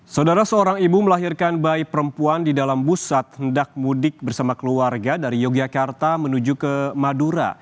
saudara seorang ibu melahirkan bayi perempuan di dalam bus saat hendak mudik bersama keluarga dari yogyakarta menuju ke madura